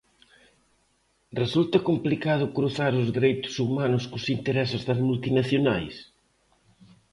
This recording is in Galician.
Resulta complicado cruzar os dereitos humanos cos intereses das multinacionais?